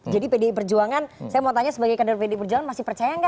jadi pdi perjuangan saya mau tanya sebagai kandungan pdi perjuangan masih percaya nggak